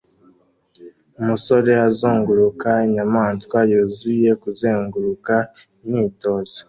Umusore azunguruka inyamaswa yuzuye kuzenguruka imyitozo